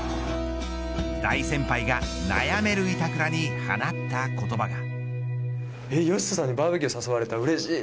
大先輩が悩める板倉に放った言葉が。